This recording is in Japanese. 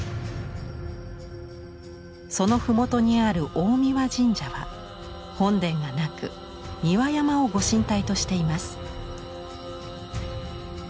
その麓にある大神神社は本殿がなく三輪山を御神体としています。